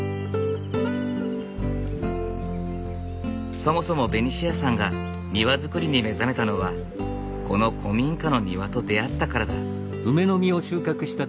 そもそもベニシアさんが庭造りに目覚めたのはこの古民家の庭と出会ったからだ。